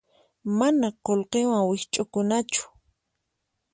Mana qullqiwan wikch'ukunachu.